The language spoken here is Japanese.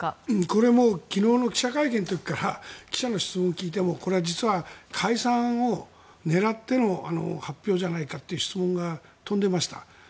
これ昨日の記者会見の時から記者の質問を聞いてもこれは実は解散を狙っての発表じゃないかという質問が飛んでました。